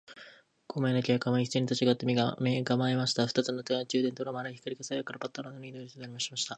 五名の警官はいっせいに立ちあがって、身がまえました。二つの懐中電燈の丸い光が、左右からパッと穴の入り口を照らしました。